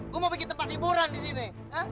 gue mau bikin tempat hiburan di sini